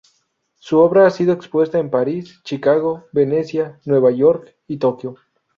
Su obra ha sido expuesta en París, Chicago, Venecia, Nueva York y Tokio.